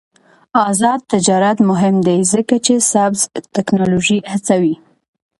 آزاد تجارت مهم دی ځکه چې سبز تکنالوژي هڅوي.